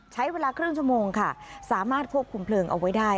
ใช้เวลาครึ่งชั่วโมงค่ะสามารถควบคุมเพลิงเอาไว้ได้